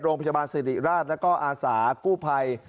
โรงพยาบาลสิริราชแล้วก็อาสากู้ภัย